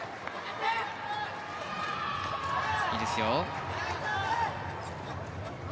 いいですよ。